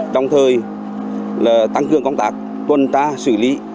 đồng thời tăng cường công tác tuân tra xử lý